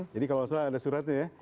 jadi kalau saya ada suratnya ya